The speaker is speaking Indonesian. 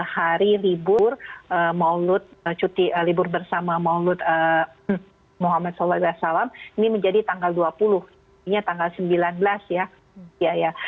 hari libur maulud libur bersama maulud muhammad saw ini menjadi tanggal dua puluh artinya tanggal sembilan belas ya